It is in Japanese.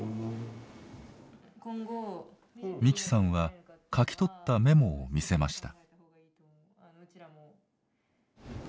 美希さんは書き取ったメモを見せました。